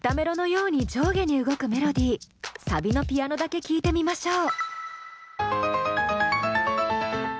サビのピアノだけ聴いてみましょう。